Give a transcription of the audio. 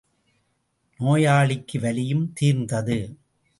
நோயாளிக்கு வலியும் தீர்ந்தது.